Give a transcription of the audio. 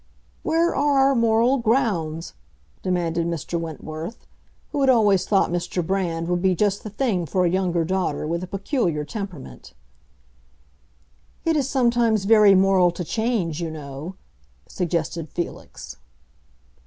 "Where are our moral grounds?" demanded Mr. Wentworth, who had always thought Mr. Brand would be just the thing for a younger daughter with a peculiar temperament. "It is sometimes very moral to change, you know," suggested Felix.